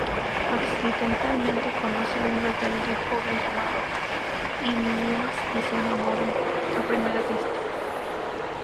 Accidentalmente conoce a un rebelde joven llamado İlyas, y se enamoran a primera vista.